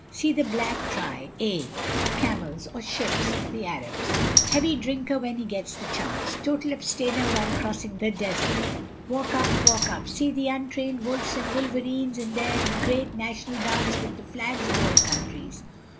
See the Back Try A or Camels, or Ships of the Arabs—heavy drinker when he gets the chance—total abstainer while crossing the desert. Walk up, walk up. See the Trained Wolves and Wolverines in their great National Dance with the flags of all countries.